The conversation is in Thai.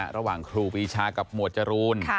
ระหว่างครูปีชากับหมวดจรูน